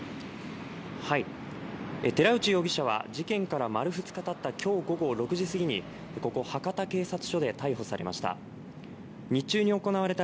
寺内容疑者は事件から丸２日経った今日午後６時過ぎにここ博多警察署で逮捕されました。